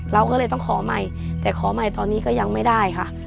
เราก็เลยต้องขอใหม่แต่ขอใหม่ตอนนี้ก็ยังไม่ได้ค่ะ